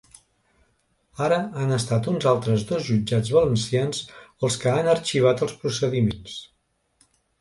Ara han estat uns altres dos jutjats valencians els que han arxivat els procediments.